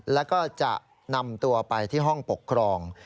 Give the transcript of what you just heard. แล้วก็จะนำตัวไปที่ห้องปกครอง